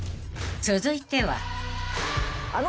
［続いては］